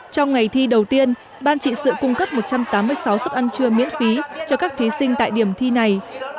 trong ngày thi đầu tiên ban trị sự cung cấp một trăm tám mươi sáu suất ăn trưa miễn phí cho các thí sinh tại điểm thi này